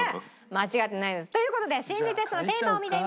間違ってないです。という事で心理テストのテーマを見てみましょう。